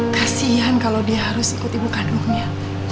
kasian kalo dia harus ikut ibu kandungnya